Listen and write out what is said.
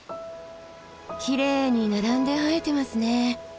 きれいに並んで生えてますね。